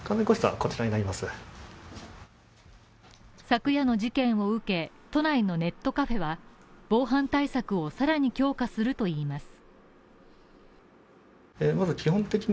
昨夜の事件を受け、都内のネットカフェは防犯対策を更に強化するといいます。